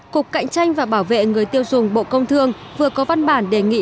cục cạnh tranh và bảo vệ người tiêu dùng bộ công thương vừa có văn bản đề nghị